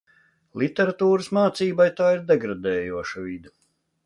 Literatūras mācībai tā ir degradējoša vide.